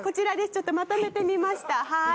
ちょっとまとめてみました。